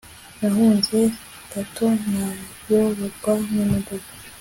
nahunze gato nayoborwa n'imodoka